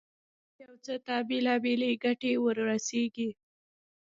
چې هر یوه ته بېلابېلې ګټې ورسېږي.